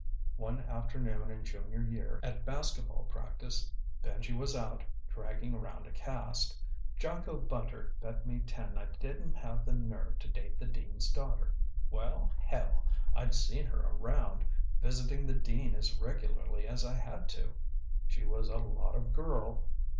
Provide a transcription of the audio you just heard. One afternoon in junior year at basketball practice Benji was out, dragging around a cast Jocko Bunter bet me ten I didn't have the nerve to date the dean's daughter. Well, hell, I'd seen her around, visiting the dean as regularly as I had to. She was a lot of girl.